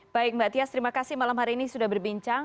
baik mbak tias terima kasih malam hari ini sudah berbincang